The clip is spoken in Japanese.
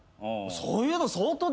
そういうの相当。